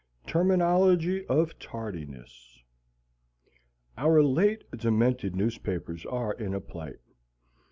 TERMINOLOGY OF TARDINESS Our late demented newspapers are in a plight.